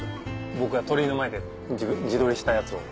僕が鳥居の前で自撮りしたやつを。